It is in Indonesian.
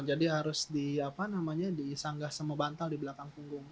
jadi harus di sanggah sama bantal di belakang punggung